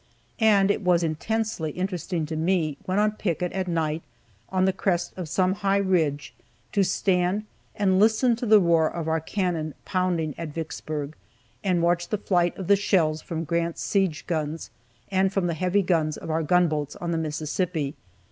And it was intensely interesting to me, when on picket at night on the crest of some high ridge, to stand and listen to the roar of our cannon pounding at Vicksburg, and watch the flight of the shells from Grant's siege guns and from the heavy guns of our gunboats on the Mississippi.